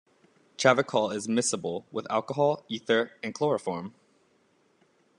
Chavicol is miscible with alcohol, ether, and chloroform.